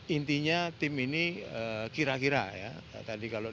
intinya tim ini kira kira ya tadi kalau